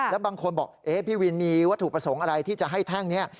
แล้วบางคนบอกพี่วินมีวัตถุประสงค์อะไรที่จะให้แท่งนี้